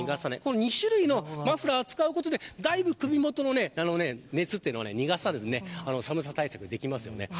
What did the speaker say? ２種類のマフラーを使うことでだいぶ首元の熱を逃がさずに寒さ対策ができます。